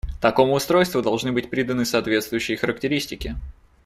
Такому устройству должны быть приданы соответствующие характеристики.